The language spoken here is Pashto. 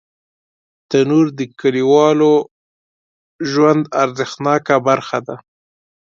تنور د کلیوالو ژوند ارزښتناکه برخه ده